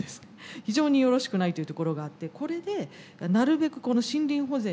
非常によろしくないというところがあってこれでなるべく森林保全に寄与していくと。